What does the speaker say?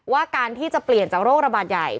การที่จะเปลี่ยนจากโรคระบาดใหญ่